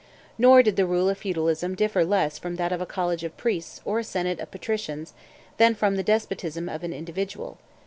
Nor did the rule of feudalism differ less from that of a college of priests or a senate of patricians than from the despotism of an individual.